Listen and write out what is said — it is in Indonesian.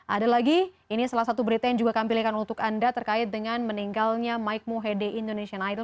ada lagi ini salah satu berita yang juga kami pilihkan untuk anda terkait dengan meninggalnya mike mohede indonesian night